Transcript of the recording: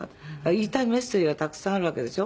「言いたいメッセージがたくさんあるわけでしょ？」